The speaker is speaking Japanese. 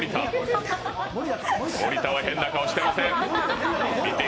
盛田は変な顔してません！